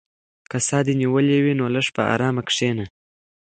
که ساه دې نیولې وي نو لږ په ارامه کښېنه.